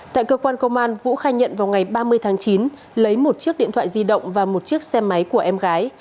tại cơ quan công an vũ khai nhận vào ngày ba mươi tháng chín lấy một chiếc điện thoại di động và một chiếc xe máy của em gái